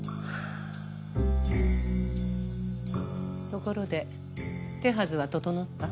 ところで手はずは整った？